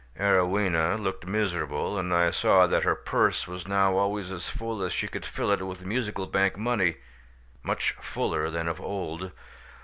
Arowhena looked miserable, and I saw that her purse was now always as full as she could fill it with the Musical Bank money—much fuller than of old.